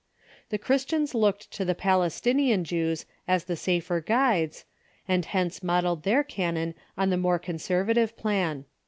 The Christians looked to the Palestinian Jews as the safer guides, and hence modelled their canon on the more con servative plan.